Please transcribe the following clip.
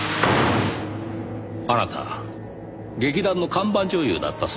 あなた劇団の看板女優だったそうですね。